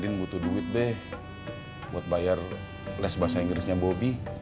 din butuh duit be buat bayar les bahasa inggrisnya bobby